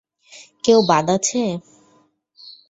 কেউ বাদ আছে?